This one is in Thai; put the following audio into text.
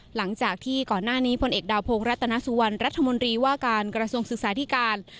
หลังจากที่ก่อนหน้านี้พลเอกดาวพงศ์รัตนสุวรรณรัฐมนตรีว่าการกระทรวงศึกษาธิการ